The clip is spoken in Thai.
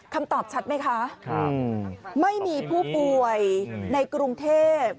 คำตอบชัดไหมคะไม่มีผู้ป่วยในกรุงเทพ